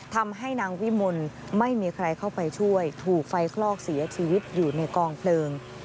ทำให้นางวิมลไม่มีใครเข้าไปช่วยถูกไฟคลอกเสียชีวิตอยู่ในกองเพลิง